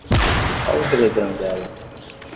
Qual o Telegram dela?